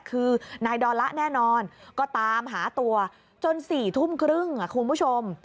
คือนายดอลละแน่นอนก็ตามหาตัวจน๔ทุ่มครึ่งคุณผู้ชม